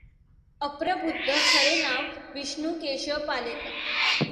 अप्रबुद्ध खरे नाव विष्णू केशव पालेकर